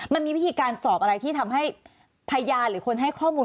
มันมีวิธีการสอบอะไรที่ทำให้พยานหรือคนให้ข้อมูล